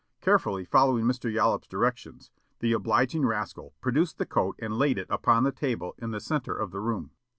Carefully following Mr. Yollop's directions, the obliging rascal produced the coat and laid it upon the table in the center of the room.